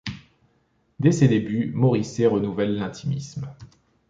Dès ses débuts, Morisset renouvelle l'intimisme.